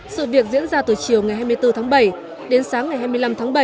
sự việc diễn ra từ chiều ngày hai mươi bốn tháng bảy đến sáng ngày hai mươi năm tháng bảy